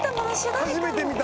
初めて見た。